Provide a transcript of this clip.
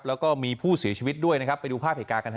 แล้วก็มีผู้เสียชีวิตด้วยนะครับไปดูภาพเหตุการณ์กันฮ